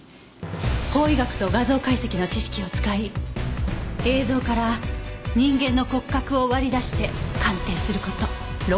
法医学と画像解析の知識を使い映像から人間の骨格を割り出して鑑定する事。